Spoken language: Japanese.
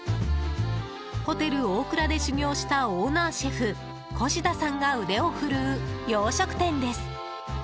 ホテルオークラで修行したオーナーシェフ、越田さんが腕を振るう洋食店です。